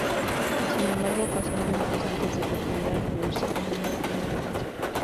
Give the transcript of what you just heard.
Sin embargo, pasaron meses antes de que pudiera reunirse con el nuevo Primer Cónsul.